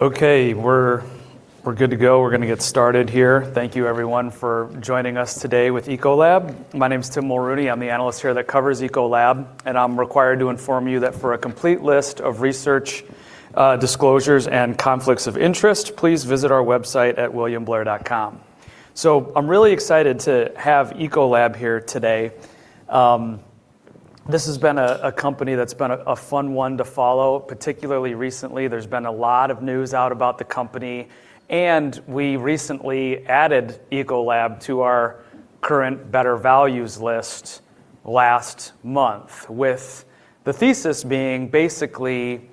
Okay, we're good to go. We're going to get started here. Thank you everyone for joining us today with Ecolab. My name's Tim Mulrooney. I'm the Analyst here that covers Ecolab. I'm required to inform you that for a complete list of research, disclosures, and conflicts of interest, please visit our website at williamblair.com. I'm really excited to have Ecolab here today. This has been a company that's been a fun one to follow, particularly recently. There's been a lot of news out about the company. We recently added Ecolab to our current Better Values list last month, with the thesis being basically,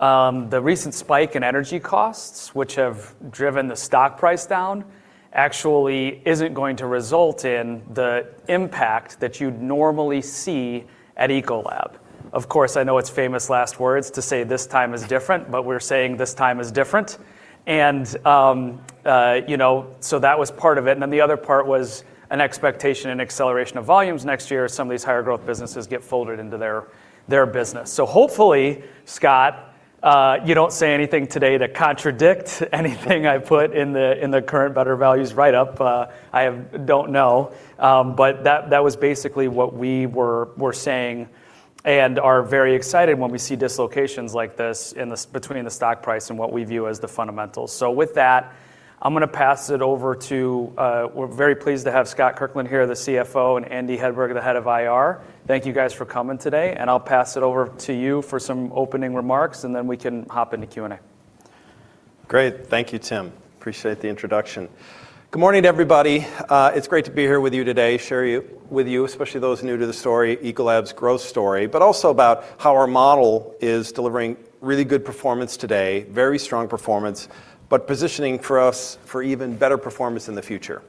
the recent spike in energy costs, which have driven the stock price down, actually isn't going to result in the impact that you'd normally see at Ecolab. Of course, I know it's famous last words to say this time is different, but we're saying this time is different. That was part of it, the other part was an expectation and acceleration of volumes next year as some of these higher growth businesses get folded into their business. Hopefully, Scott, you don't say anything today to contradict anything I put in the current Better Values write-up. I don't know. That was basically what we were saying and are very excited when we see dislocations like this between the stock price and what we view as the fundamentals. With that, I'm going to pass it over. We're very pleased to have Scott Kirkland here, the CFO, and Andy Hedberg, the Head of IR. Thank you guys for coming today, and I'll pass it over to you for some opening remarks, and then we can hop into Q&A. Great. Thank you, Tim. Appreciate the introduction. Good morning to everybody. It's great to be here with you today, share with you, especially those new to the story, Ecolab's growth story, but also about how our model is delivering really good performance today, very strong performance, but positioning for us for even better performance in the future.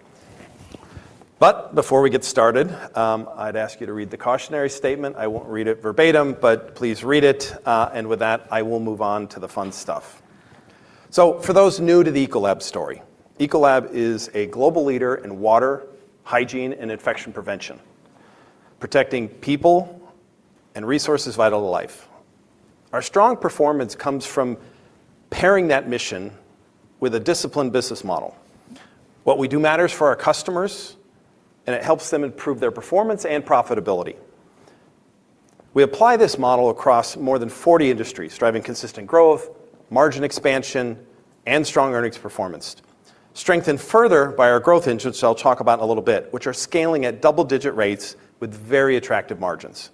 Before we get started, I'd ask you to read the cautionary statement. I won't read it verbatim, but please read it. With that, I will move on to the fun stuff. For those new to the Ecolab story, Ecolab is a global leader in water, hygiene, and infection prevention, protecting people and resources vital to life. Our strong performance comes from pairing that mission with a disciplined business model. What we do matters for our customers, and it helps them improve their performance and profitability. We apply this model across more than 40 industries, driving consistent growth, margin expansion, and strong earnings performance. Strengthened further by our growth engines, which I'll talk about in a little bit, which are scaling at double-digit rates with very attractive margins.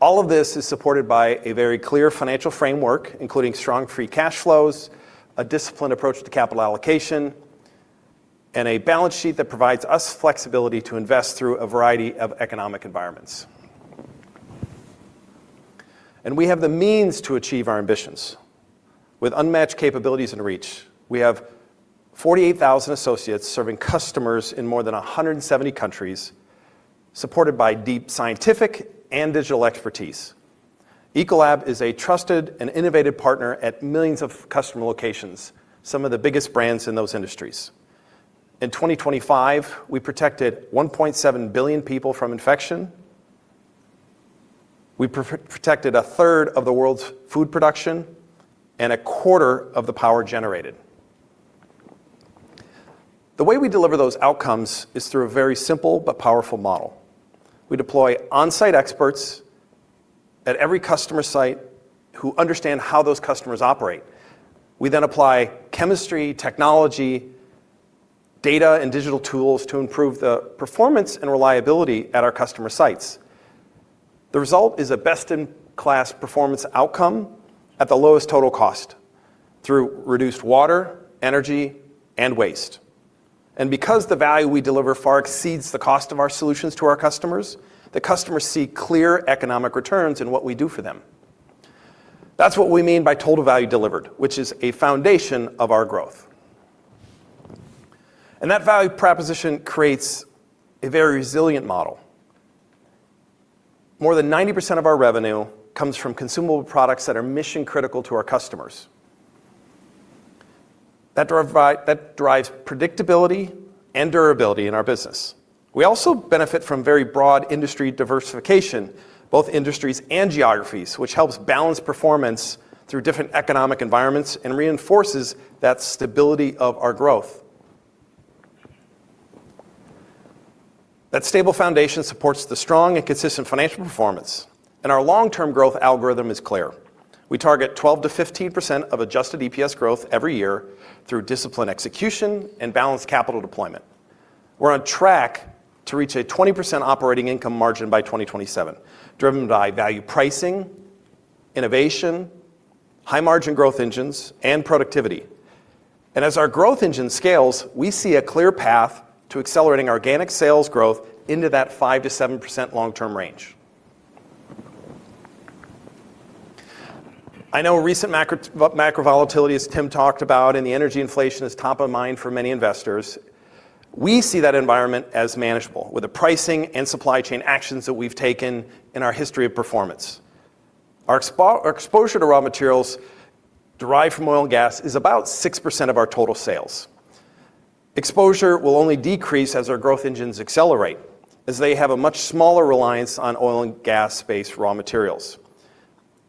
All of this is supported by a very clear financial framework, including strong free cash flows, a disciplined approach to capital allocation, and a balance sheet that provides us flexibility to invest through a variety of economic environments. We have the means to achieve our ambitions. With unmatched capabilities and reach, we have 48,000 associates serving customers in more than 170 countries, supported by deep scientific and digital expertise. Ecolab is a trusted and innovative partner at millions of customer locations, some of the biggest brands in those industries. In 2025, we protected 1.7 billion people from infection. We protected a third of the world's food production and a quarter of the power generated. The way we deliver those outcomes is through a very simple but powerful model. We deploy on-site experts at every customer site who understand how those customers operate. We apply chemistry, technology, data, and digital tools to improve the performance and reliability at our customer sites. The result is a best-in-class performance outcome at the lowest total cost through reduced water, energy, and waste. Because the value we deliver far exceeds the cost of our solutions to our customers, the customers see clear economic returns in what we do for them. That's what we mean by Total Value Delivered, which is a foundation of our growth. That value proposition creates a very resilient model. More than 90% of our revenue comes from consumable products that are mission-critical to our customers. That drives predictability and durability in our business. We also benefit from very broad industry diversification, both industries and geographies, which helps balance performance through different economic environments and reinforces that stability of our growth. That stable foundation supports the strong and consistent financial performance. Our long-term growth algorithm is clear. We target 12%-15% of adjusted EPS growth every year through disciplined execution and balanced capital deployment. We're on track to reach a 20% operating income margin by 2027, driven by value pricing, innovation, high-margin growth engines, and productivity. As our growth engine scales, we see a clear path to accelerating organic sales growth into that 5%-7% long-term range. I know recent macro volatility, as Tim talked about, and the energy inflation is top of mind for many investors. We see that environment as manageable with the pricing and supply chain actions that we've taken in our history of performance. Our exposure to raw materials derived from oil and gas is about 6% of our total sales. Exposure will only decrease as our growth engines accelerate, as they have a much smaller reliance on oil and gas-based raw materials.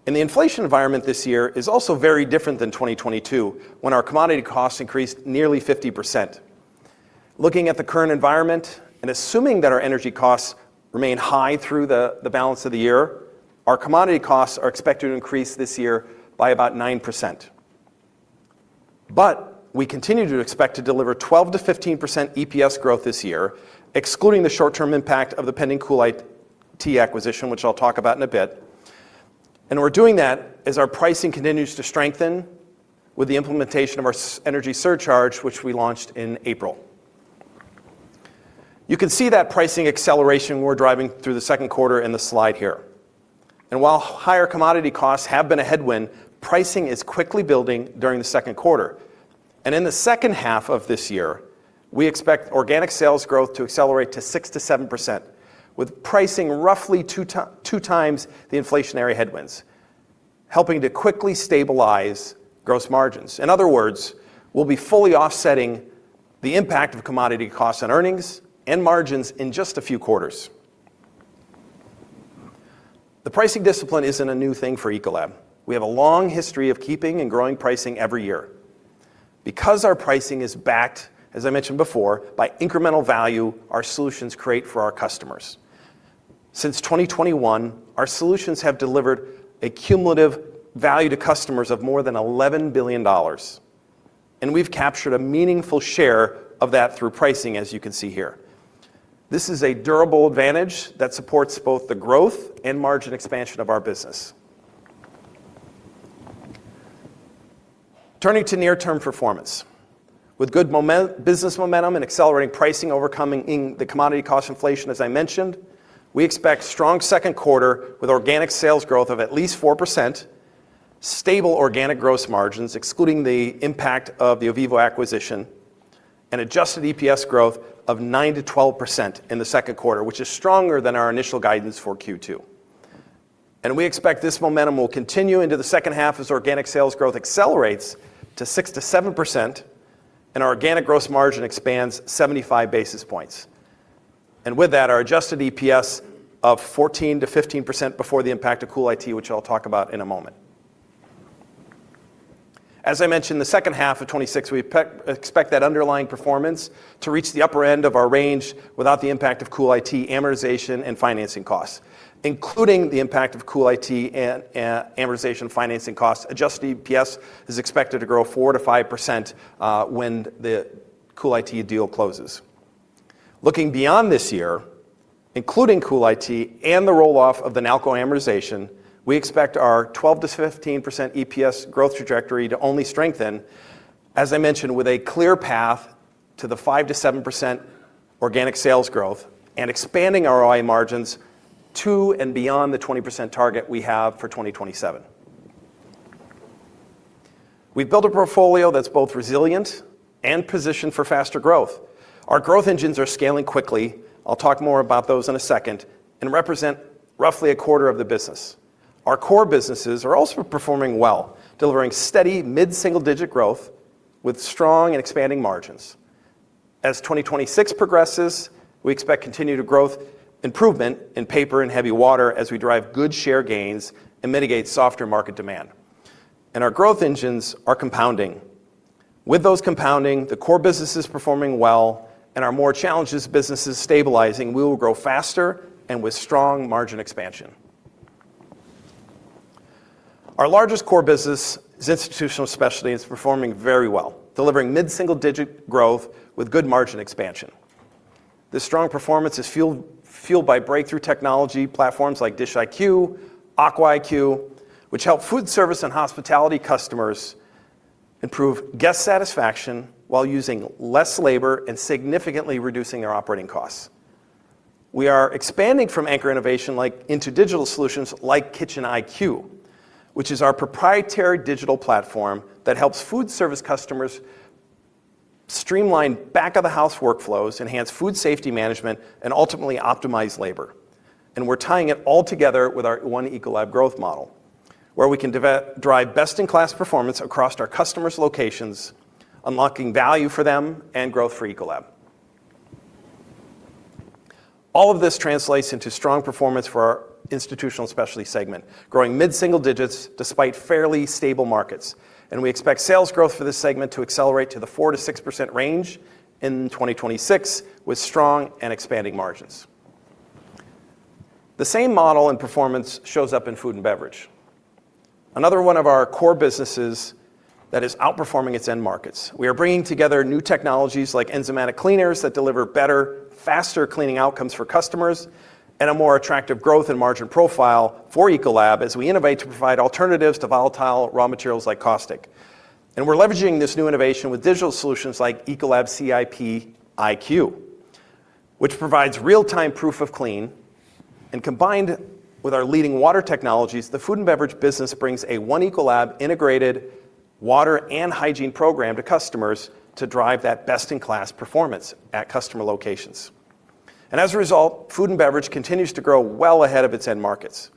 The inflation environment this year is also very different than 2022, when our commodity costs increased nearly 50%. Looking at the current environment and assuming that our energy costs remain high through the balance of the year, our commodity costs are expected to increase this year by about 9%. We continue to expect to deliver 12%-15% EPS growth this year, excluding the short-term impact of the pending CoolIT acquisition, which I'll talk about in a bit. We're doing that as our pricing continues to strengthen with the implementation of our energy surcharge, which we launched in April. You can see that pricing acceleration we're driving through the second quarter in the slide here. While higher commodity costs have been a headwind, pricing is quickly building during the second quarter. In the second half of this year, we expect organic sales growth to accelerate to 6%-7%, with pricing roughly two times the inflationary headwinds, helping to quickly stabilize gross margins. In other words, we'll be fully offsetting the impact of commodity costs on earnings and margins in just a few quarters. The pricing discipline isn't a new thing for Ecolab. We have a long history of keeping and growing pricing every year. Our pricing is backed, as I mentioned before, by incremental value our solutions create for our customers. Since 2021, our solutions have delivered a cumulative value to customers of more than $11 billion. We've captured a meaningful share of that through pricing, as you can see here. This is a durable advantage that supports both the growth and margin expansion of our business. Turning to near-term performance. With good business momentum and accelerating pricing overcoming the commodity cost inflation, as I mentioned, we expect strong second quarter with organic sales growth of at least 4%, stable organic gross margins, excluding the impact of the Ovivo acquisition, and adjusted EPS growth of 9%-12% in the second quarter, which is stronger than our initial guidance for Q2. We expect this momentum will continue into the second half as organic sales growth accelerates to 6%-7%, and our organic gross margin expands 75 basis points. With that, our adjusted EPS of 14%-15% before the impact of CoolIT, which I'll talk about in a moment. As I mentioned, the second half of 2026, we expect that underlying performance to reach the upper end of our range without the impact of CoolIT amortization and financing costs. Including the impact of CoolIT amortization and financing costs, adjusted EPS is expected to grow 4%-5% when the CoolIT deal closes. Looking beyond this year, including CoolIT and the roll-off of the Nalco amortization, we expect our 12%-15% EPS growth trajectory to only strengthen, as I mentioned, with a clear path to the 5%-7% organic sales growth and expanding OI margins to and beyond the 20% target we have for 2027. We've built a portfolio that's both resilient and positioned for faster growth. Our growth engines are scaling quickly, I'll talk more about those in a second, and represent roughly a quarter of the business. Our core businesses are also performing well, delivering steady mid-single-digit growth with strong and expanding margins. As 2026 progresses, we expect continued growth improvement in Paper and Heavy Water as we drive good share gains and mitigate softer market demand. Our growth engines are compounding. With those compounding, the core business is performing well, and our more challenged business is stabilizing, we will grow faster and with strong margin expansion. Our largest core business is Institutional Specialty, and it's performing very well, delivering mid-single-digit growth with good margin expansion. This strong performance is fueled by breakthrough technology platforms like DishIQ, AquaIQ, which help food service and hospitality customers improve guest satisfaction while using less labor and significantly reducing their operating costs. We are expanding from anchor innovation into digital solutions like KitchenIQ, which is our proprietary digital platform that helps food service customers streamline back-of-the-house workflows, enhance food safety management, and ultimately optimize labor. We're tying it all together with our One Ecolab growth model, where we can drive best-in-class performance across our customers' locations, unlocking value for them and growth for Ecolab. All of this translates into strong performance for our Institutional Specialty segment, growing mid-single digits despite fairly stable markets. We expect sales growth for this segment to accelerate to the 4%-6% range in 2026, with strong and expanding margins. The same model and performance shows up in Food & Beverage. Another one of our core businesses that is outperforming its end markets. We are bringing together new technologies like enzymatic cleaners that deliver better, faster cleaning outcomes for customers and a more attractive growth and margin profile for Ecolab as we innovate to provide alternatives to volatile raw materials like caustic. We're leveraging this new innovation with digital solutions like Ecolab CIP IQ, which provides real-time proof of clean, and combined with our leading water technologies, the Food & Beverage business brings a One Ecolab integrated water and hygiene program to customers to drive that best-in-class performance at customer locations. As a result, Food & Beverage continues to grow well ahead of its end markets.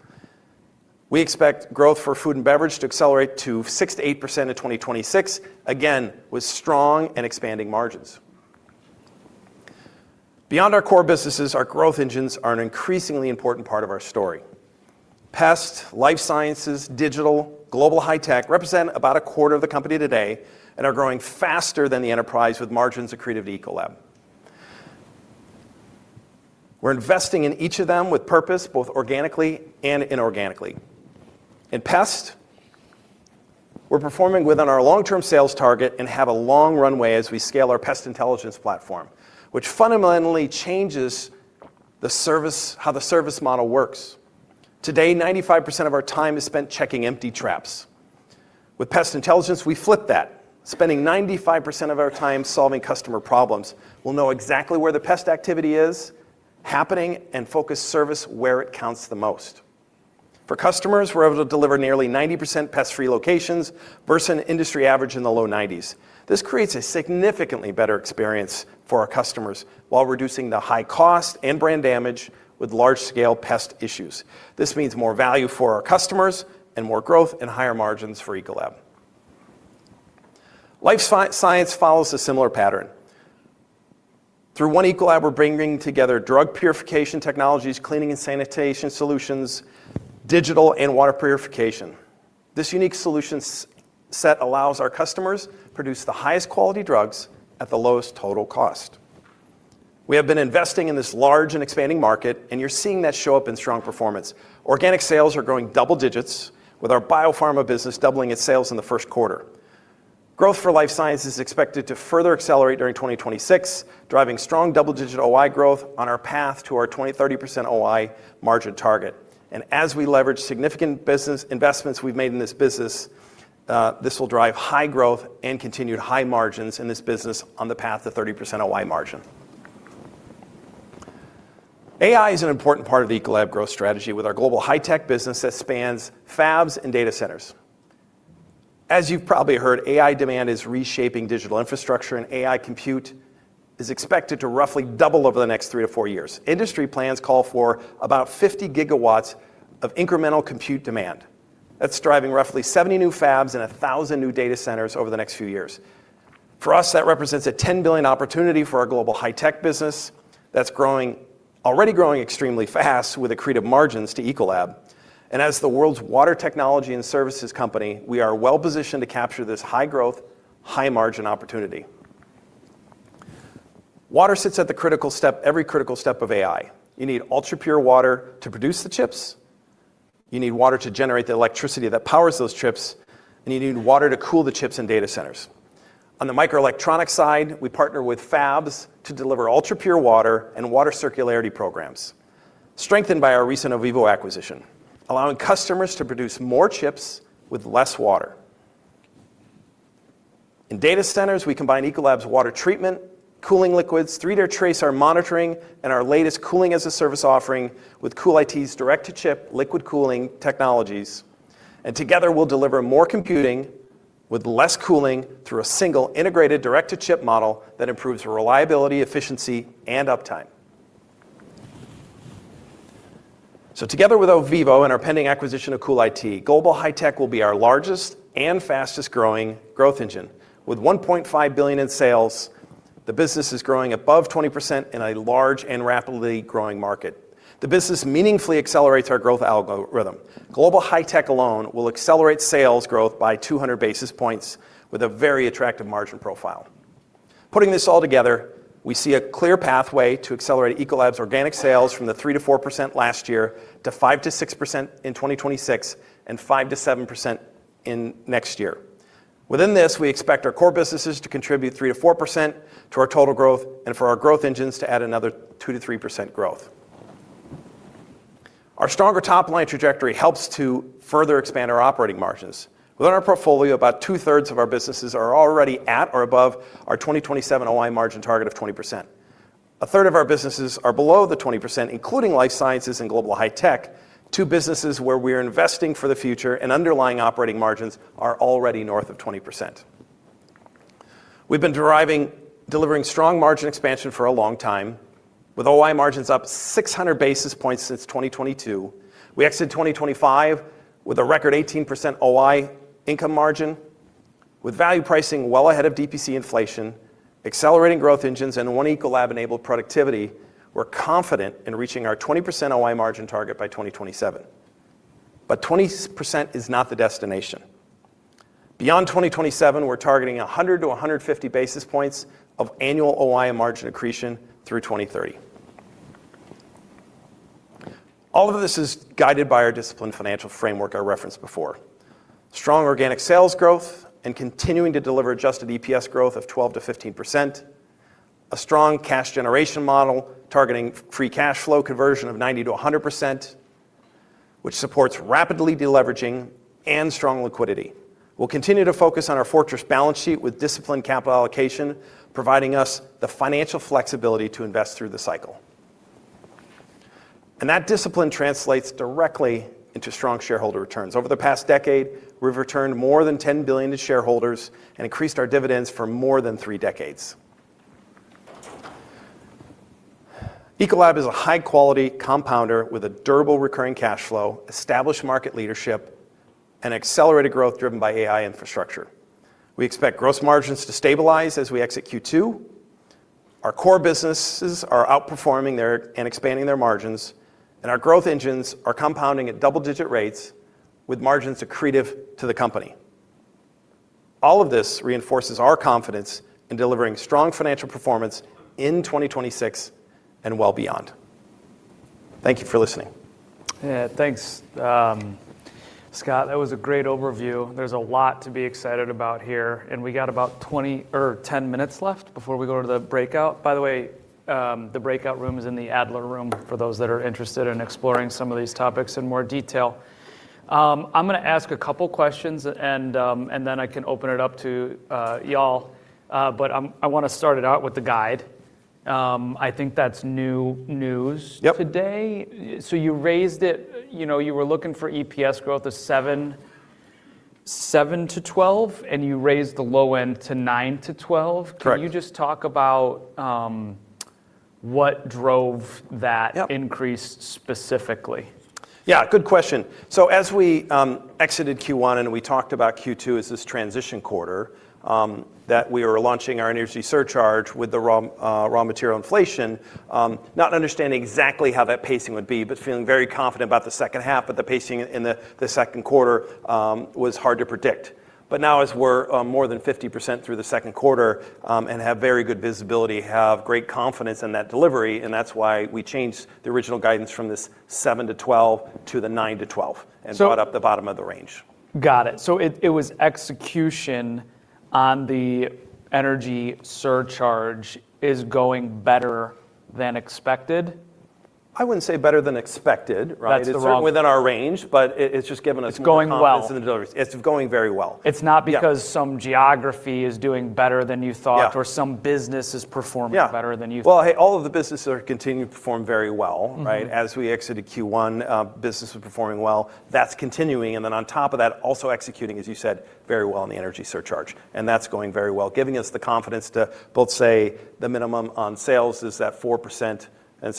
We expect growth for Food & Beverage to accelerate to 6%-8% in 2026, again, with strong and expanding margins. Beyond our core businesses, our growth engines are an increasingly important part of our story. Pest, Life Sciences, digital, Global High-Tech represent about a quarter of the company today and are growing faster than the enterprise with margins accretive to Ecolab. We're investing in each of them with purpose, both organically and inorganically. In Pest, we're performing within our long-term sales target and have a long runway as we scale our Pest Intelligence platform, which fundamentally changes how the service model works. Today, 95% of our time is spent checking empty traps. With Pest Intelligence, we flip that, spending 95% of our time solving customer problems. We'll know exactly where the pest activity is happening and focus service where it counts the most. For customers, we're able to deliver nearly 90% pest-free locations versus an industry average in the low 90%s. This creates a significantly better experience for our customers while reducing the high cost and brand damage with large-scale pest issues. This means more value for our customers and more growth and higher margins for Ecolab. Life Sciences follows a similar pattern. Through One Ecolab, we're bringing together drug purification technologies, cleaning and sanitation solutions, digital and water purification. This unique solution set allows our customers produce the highest quality drugs at the lowest total cost. We have been investing in this large and expanding market, you're seeing that show up in strong performance. Organic sales are growing double digits, with our biopharma business doubling its sales in the first quarter. Growth for Life Sciences is expected to further accelerate during 2026, driving strong double digit OI growth on our path to our 20%-30% OI margin target. As we leverage significant business investments we've made in this business, this will drive high growth and continued high margins in this business on the path to 30% OI margin. AI is an important part of the Ecolab growth strategy with our Global High-Tech business that spans fabs and data centers. As you've probably heard, AI demand is reshaping digital infrastructure, and AI compute is expected to roughly double over the next three to four years. Industry plans call for about 50 GW of incremental compute demand. That's driving roughly 70 new fabs and 1,000 new data centers over the next few years. For us, that represents a $10 billion opportunity for our Global High-Tech business that's already growing extremely fast with accretive margins to Ecolab. As the world's water technology and services company, we are well-positioned to capture this high growth, high margin opportunity. Water sits at every critical step of AI. You need Ultrapure Water to produce the chips, you need water to generate the electricity that powers those chips, and you need water to cool the chips in data centers. On the microelectronics side, we partner with fabs to deliver ultrapure water and water circularity programs, strengthened by our recent Ovivo acquisition, allowing customers to produce more chips with less water. In data centers, we combine Ecolab's water treatment, cooling liquids, 3D TRASAR monitoring, and our latest Cooling-as-a-Service offering with CoolIT's direct-to-chip liquid cooling technologies. Together, we'll deliver more computing with less cooling through a single integrated direct-to-chip model that improves reliability, efficiency, and uptime. Together with Ovivo and our pending acquisition of CoolIT, Global High-Tech will be our largest and fastest growing growth engine. With $1.5 billion in sales, the business is growing above 20% in a large and rapidly growing market. The business meaningfully accelerates our growth algorithm. Global High-Tech alone will accelerate sales growth by 200 basis points with a very attractive margin profile. Putting this all together, we see a clear pathway to accelerate Ecolab's organic sales from the 3%-4% last year to 5%-6% in 2026 and 5%-7% in next year. Within this, we expect our core businesses to contribute 3%-4% to our total growth and for our growth engines to add another 2%-3% growth. Our stronger top-line trajectory helps to further expand our operating margins. Within our portfolio, about two-thirds of our businesses are already at or above our 2027 OI margin target of 20%. A third of our businesses are below the 20%, including Life Sciences and Global High-Tech, two businesses where we are investing for the future, and underlying operating margins are already north of 20%. We've been delivering strong margin expansion for a long time, with OI margins up 600 basis points since 2022. We exited 2025 with a record 18% OI margin. With value pricing well ahead of DPC inflation, accelerating growth engines, and One Ecolab-enabled productivity, we're confident in reaching our 20% OI margin target by 2027. 20% is not the destination. Beyond 2027, we're targeting 100 basis points to 150 basis points of annual OI margin accretion through 2030. All of this is guided by our disciplined financial framework I referenced before. Strong organic sales growth and continuing to deliver adjusted EPS growth of 12%-15%, a strong cash generation model targeting free cash flow conversion of 90%-100%, which supports rapidly deleveraging and strong liquidity. We'll continue to focus on our fortress balance sheet with disciplined capital allocation, providing us the financial flexibility to invest through the cycle. That discipline translates directly into strong shareholder returns. Over the past decade, we've returned more than $10 billion to shareholders and increased our dividends for more than three decades. Ecolab is a high-quality compounder with a durable recurring cash flow, established market leadership, and accelerated growth driven by AI infrastructure. We expect gross margins to stabilize as we exit Q2. Our core businesses are outperforming and expanding their margins, and our growth engines are compounding at double-digit rates with margins accretive to the company. All of this reinforces our confidence in delivering strong financial performance in 2026 and well beyond. Thank you for listening. Yeah, thanks, Scott. That was a great overview. There's a lot to be excited about here, and we got about 20 or 10 minutes left before we go to the breakout. By the way, the breakout room is in the Adler room for those that are interested in exploring some of these topics in more detail. I'm going to ask a couple questions and then I can open it up to y'all. I want to start it out with the guide. I think that's new news Yep today. You raised it, you were looking for EPS growth of 7%-12%, and you raised the low end to 9%-12%. Correct. Can you just talk about what drove that Yep increase specifically? Yeah, good question. As we exited Q1, and we talked about Q2 as this transition quarter, that we are launching our energy surcharge with the raw material inflation, not understanding exactly how that pacing would be, but feeling very confident about the second half. The pacing in the second quarter was hard to predict. Now as we're more than 50% through the second quarter, and have very good visibility, have great confidence in that delivery, and that's why we changed the original guidance from this 7%-12% to the 9%-12% So- brought up the bottom of the range. Got it. It was execution on the energy surcharge is going better than expected. I wouldn't say better than expected. Right? That's the wrong- It's certainly within our range, but it's just given us It's going well. confidence in the delivery. It's going very well. It's not because- Yeah some geography is doing better than you thought. Yeah Some business is performing. Yeah better than you- Well, hey, all of the businesses are continuing to perform very well, right? As we exited Q1, business was performing well. That's continuing, on top of that, also executing, as you said, very well on the energy surcharge. That's going very well, giving us the confidence to both say the minimum on sales is at 4%,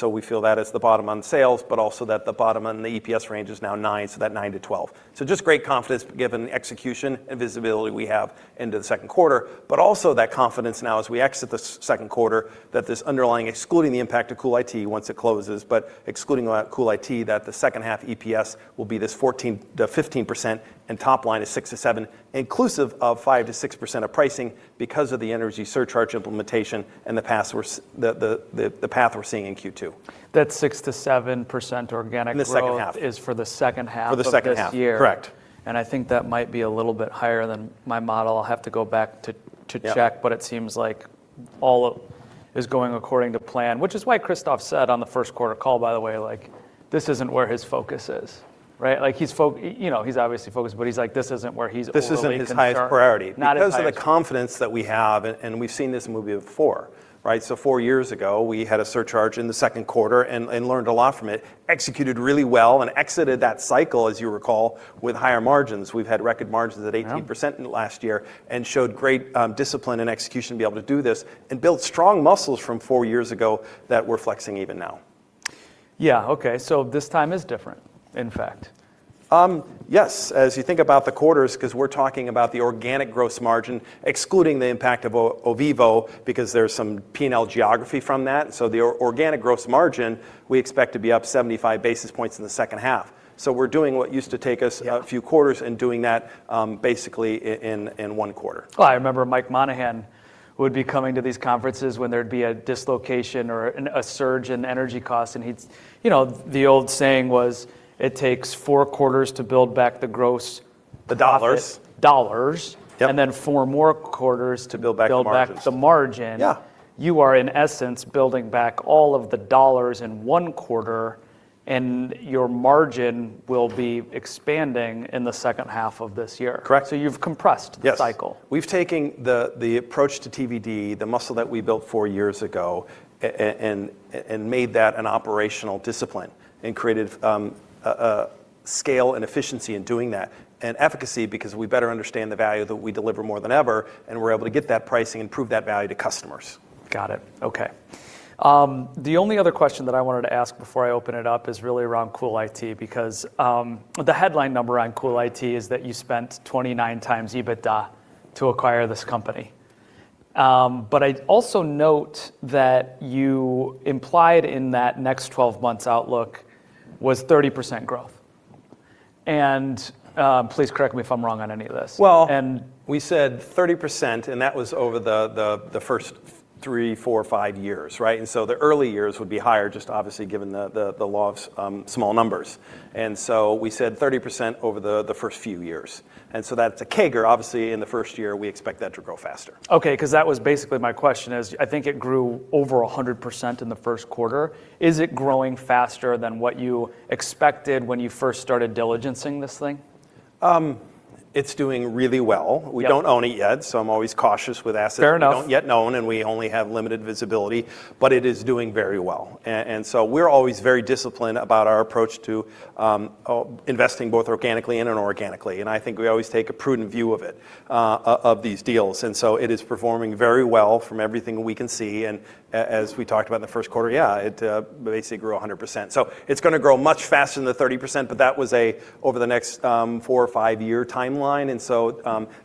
we feel that is the bottom on sales, but also that the bottom on the EPS range is now 9%, so that 9%-12%. Just great confidence given the execution and visibility we have into the second quarter, but also that confidence now as we exit the second quarter, that this underlying, excluding the impact of CoolIT once it closes, but excluding CoolIT, that the second half EPS will be this 14%-15%, and top line is 6%-7%, inclusive of 5%-6% of pricing because of the energy surcharge implementation and the path we're seeing in Q2. That 6%-7% organic growth In the second half is for the second half of- For the second half. this year. Correct. I think that might be a little bit higher than my model. I'll have to go back to check. Yep. It seems like all is going according to plan, which is why Christophe said on the first quarter call, by the way, this isn't where his focus is. Right? He's obviously focused, but he's like, this isn't where he's overly concerned. This isn't his highest priority. Not his highest. Because of the confidence that we have, and we've seen this movie before, right? Four years ago, we had a surcharge in the second quarter and learned a lot from it, executed really well, and exited that cycle, as you recall, with higher margins. We've had record margins at 18%-. Yeah last year and showed great discipline and execution to be able to do this and built strong muscles from four years ago that we're flexing even now. Yeah. Okay. This time is different, in fact. Yes. As you think about the quarters, because we're talking about the organic gross margin, excluding the impact of Ovivo, because there's some P&L geography from that. The organic gross margin we expect to be up 75 basis points in the second half. We're doing what used to take us Yeah a few quarters and doing that basically in one quarter. Oh, I remember Mike Monahan would be coming to these conferences when there'd be a dislocation or a surge in energy costs, and the old saying was it takes four quarters to build back the gross-. The dollars. profit. Dollars. Yep. And then four more quarters to- To build back the margins. build back the margin. Yeah. You are, in essence, building back all of the dollars in one quarter, and your margin will be expanding in the second half of this year. Correct. you've compressed- Yes the cycle. We've taken the approach to TVD, the muscle that we built four years ago, and made that an operational discipline and created scale and efficiency in doing that, and efficacy because we better understand the value that we deliver more than ever, and we're able to get that pricing and prove that value to customers. Got it. Okay. The only other question that I wanted to ask before I open it up is really around CoolIT, because the headline number on CoolIT is that you spent 29x EBITDA to acquire this company. I'd also note that you implied in that next 12 months outlook was 30% growth, and please correct me if I'm wrong on any of this. Well- And- We said 30%, and that was over the first three, four, or five years, right? The early years would be higher, just obviously given the law of small numbers. We said 30% over the first few years. That's a CAGR, obviously, in the first year, we expect that to grow faster. Okay, that was basically my question is, I think it grew over 100% in the first quarter. Is it growing faster than what you expected when you first started diligencing this thing? It's doing really well. Yeah. We don't own it yet, so I'm always cautious with assets. Fair enough. we don't yet own, and we only have limited visibility, but it is doing very well. We're always very disciplined about our approach to investing, both organically and inorganically, and I think we always take a prudent view of it, of these deals. It is performing very well from everything we can see, and as we talked about in the first quarter, yeah, it basically grew 100%. It's going to grow much faster than the 30%, but that was over the next four or five year timeline.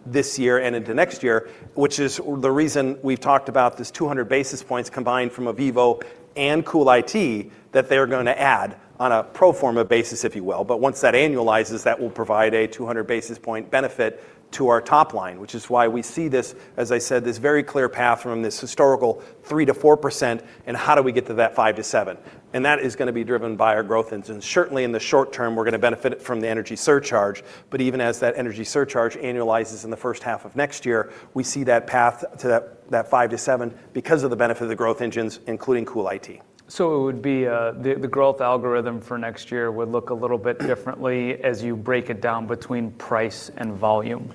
This year and into next year, which is the reason we've talked about this 200 basis points combined from Ovivo and CoolIT, that they're going to add on a pro forma basis, if you will. Once that annualizes, that will provide a 200 basis point benefit to our top line, which is why we see this, as I said, this very clear path from this historical 3%-4%, and how do we get to that 5%-7%? That is going to be driven by our growth engines. Certainly in the short term, we're going to benefit from the energy surcharge, but even as that energy surcharge annualizes in the first half of next year, we see that path to that 5%-7% because of the benefit of the growth engines, including CoolIT. It would be the growth algorithm for next year would look a little bit differently as you break it down between price and volume.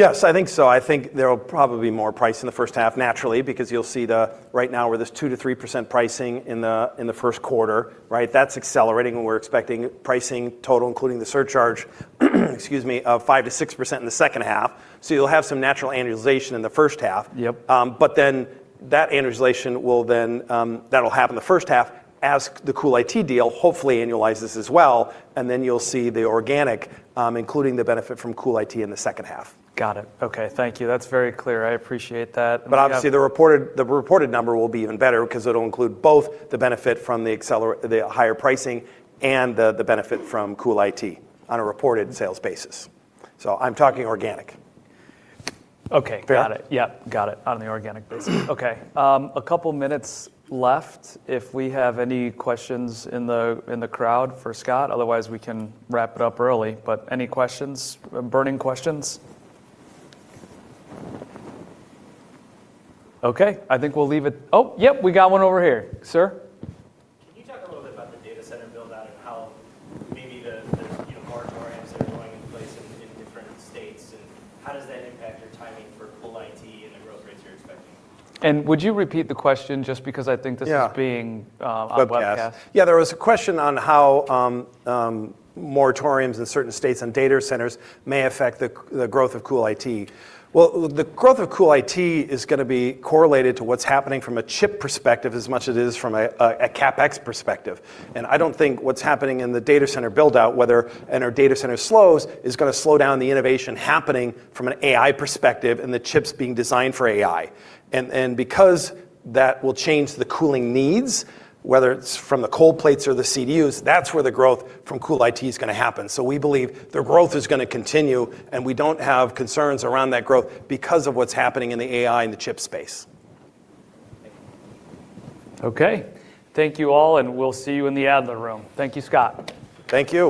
Yes, I think so. I think there'll probably be more price in the first half, naturally, because you'll see right now where there's 2%-3% pricing in the first quarter, right? That's accelerating, and we're expecting pricing total, including the surcharge excuse me, of 5%-6% in the second half. You'll have some natural annualization in the first half. Yep. That annualization will then happen in the first half as the CoolIT deal hopefully annualizes as well, and then you'll see the organic, including the benefit from CoolIT in the second half. Got it. Okay. Thank you. That's very clear. I appreciate that. Obviously, the reported number will be even better because it'll include both the benefit from the higher pricing and the benefit from CoolIT on a reported sales basis. I'm talking organic. Okay. Got it. Yep, got it. On the organic basis. Okay. A couple minutes left if we have any questions in the crowd for Scott, otherwise we can wrap it up early. Any questions? Burning questions? Okay. Oh, yep, we got one over here. Sir? Can you talk a little bit about the data center build out and how maybe the moratoriums are going in place in different states, and how does that impact your timing for CoolIT and the growth rates you're expecting? Would you repeat the question, just because I think. Yeah a webcast. There was a question on how moratoriums in certain states and data centers may affect the growth of CoolIT. The growth of CoolIT is going to be correlated to what's happening from a chip perspective as much as it is from a CapEx perspective. I don't think what's happening in the data center build out, whether in our data center slows, is going to slow down the innovation happening from an AI perspective and the chips being designed for AI. Because that will change the cooling needs, whether it's from the cold plates or the CDUs, that's where the growth from CoolIT is going to happen. We believe the growth is going to continue, and we don't have concerns around that growth because of what's happening in the AI and the chip space. Thank you. Okay. Thank you all, and we'll see you in the Adler Room. Thank you, Scott. Thank you.